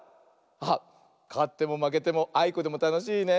あっかってもまけてもあいこでもたのしいね。